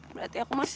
berarti aku masih